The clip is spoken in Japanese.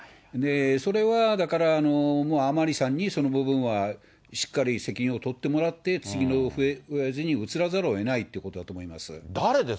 それはだから、もう甘利さんにその部分はしっかり責任を取ってもらって、次のフェーズに移らざるをえないということだと思います。